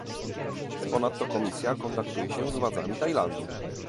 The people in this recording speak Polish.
Ponadto Komisja kontaktuje się z władzami Tajlandii